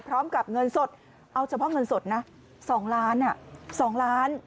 พร้อมกับเงินสดเอาเฉพาะเงินสดนะ๒ล้าน๒ล้าน